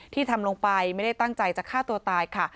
ทำลงไปไม่ได้ตั้งใจจะฆ่าตัวตายค่ะ